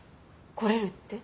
来れるって？